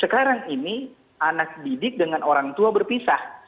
sekarang ini anak didik dengan orang tua berpisah